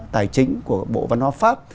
tài chính của bộ văn hóa pháp